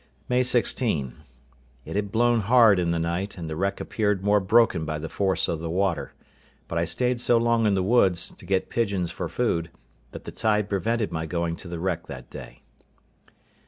May 16.—It had blown hard in the night, and the wreck appeared more broken by the force of the water; but I stayed so long in the woods, to get pigeons for food, that the tide prevented my going to the wreck that day.